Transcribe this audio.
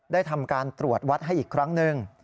ทำการตรวจวัดให้อีกครั้งหนึ่ง